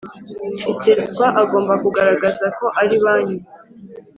Iseswa agomba kugaragaza ko ari banki